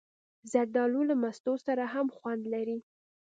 زردالو له مستو سره هم خوند لري.